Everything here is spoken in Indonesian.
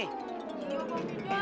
iya pak jajak